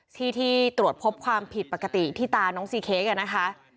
ที่ที่ตรวจพบความผิดปกติที่ตาน้องซีเค้กนะคะ